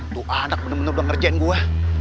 lo anak bener bener ngerjain gue